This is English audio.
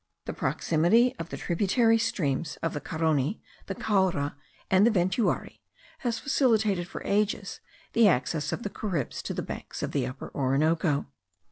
The proximity of the tributary streams of the Carony, the Caura, and the Ventuari, has facilitated for ages the access of the Caribs to the banks of the Upper Orinoco.